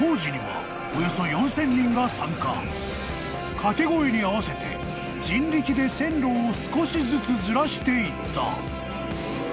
［掛け声に合わせて人力で線路を少しずつずらしていった］